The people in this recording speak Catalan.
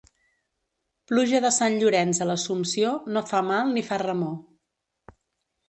Pluja de sant Llorenç a l'Assumpció, no fa mal ni fa remor.